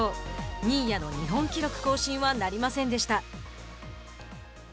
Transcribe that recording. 新谷の日本記録更新はなりませんでした。